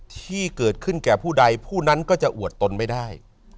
ที่เกิดขึ้นแก่ผู้ใดผู้นั้นก็จะอวดตนไม่ได้